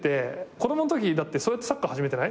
子供んときそうやってサッカー始めてない？